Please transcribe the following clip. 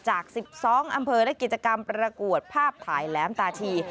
จาก๑๒อำเภอและกิจกรรมประกวดภาพถ่ายแหลมตาชี